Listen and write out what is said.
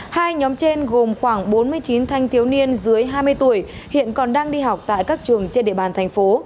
hai nhóm trên gồm khoảng bốn mươi chín thanh thiếu niên dưới hai mươi tuổi hiện còn đang đi học tại các trường trên địa bàn thành phố